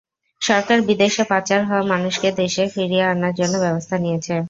সরকার বিদেশে পাচার হওয়া মানুষকে দেশে ফিরিয়ে আনার জন্য ব্যবস্থা নিয়েছে।